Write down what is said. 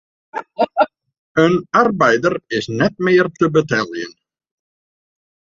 In arbeider is net mear te beteljen.